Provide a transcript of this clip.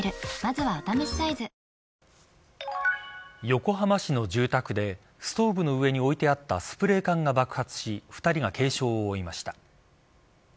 横浜市の住宅でストーブの上に置いてあったスプレー缶が爆発し２人が軽傷を負いました。